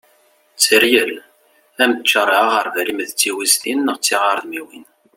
tteryel ad am-d-ččareγ aγerbal-im d tiwiztin neγ tiγredmiwin